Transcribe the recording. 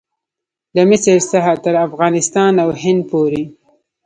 له مصر څخه تر افغانستان او هند پورې.